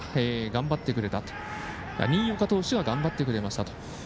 新岡投手が頑張ってくれたと。